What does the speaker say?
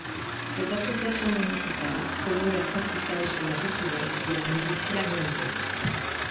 Cette association municipale promeut l'apprentissage et la découverte de la musique philharmonique.